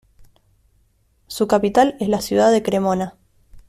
Su capital es la ciudad de Cremona.